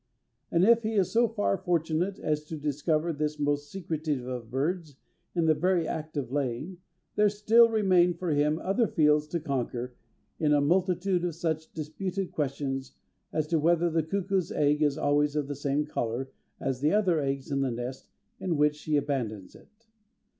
And, if he is so far fortunate as to discover this most secretive of birds in the very act of laying, there still remain for him other fields to conquer in a multitude of such disputed questions as whether the cuckoo's egg is always of the same colour as the other eggs in the nest in which she abandons it.